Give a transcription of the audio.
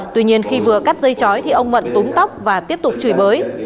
tuy nhiên khi vừa cắt dây chói thì ông mận túm tóc và tiếp tục chửi bới